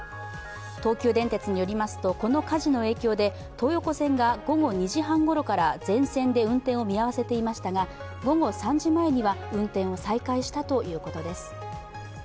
東急電鉄によりますと、この火事の影響で東横線が午後２時半ごろから全線で運転を見合わせていましたが午後３時前には運転を再開したということです。